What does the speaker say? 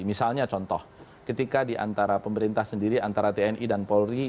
misalnya contoh ketika diantara pemerintah sendiri antara tni dan polri